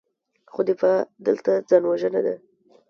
خو دفاع دلته ځان وژنه ده.